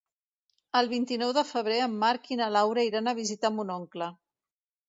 El vint-i-nou de febrer en Marc i na Laura iran a visitar mon oncle.